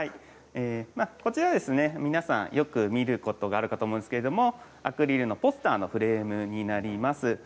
こちらですね皆さんよく見ることがあると思いますけれどアクリルのポスターのフレームになります。